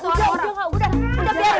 udah udah udah biarin